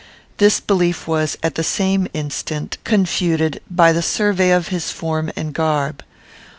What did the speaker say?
This belief was, at the same instant, confuted, by the survey of his form and garb.